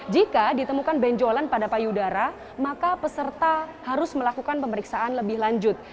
jika ditemukan benjolan pada payudara maka peserta harus melakukan pemeriksaan lebih lanjut